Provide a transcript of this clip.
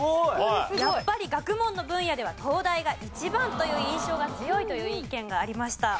やっぱり学問の分野では東大が一番という印象が強いという意見がありました。